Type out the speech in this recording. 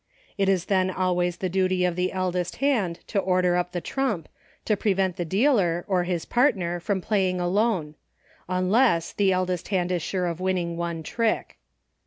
It is then always the duty of the eldest hand to order up the trump, to prevent the dealer, or his partner, from Playing Alone — unless, the eldest hand is sure of winning one trick.